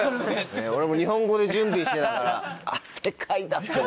俺も日本語で準備してたから。